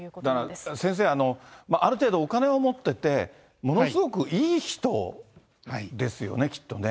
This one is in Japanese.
だから先生、ある程度お金を持ってて、ものすごくいい人ですよね、きっとね。